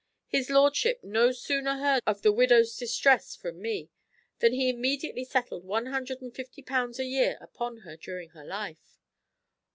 His lordship no sooner heard of the widow's distress from me than he immediately settled one hundred and fifty pounds a year upon her during her life."